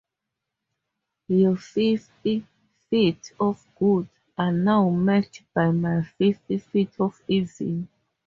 Your fifty feet of good are now matched by my fifty feet of evil!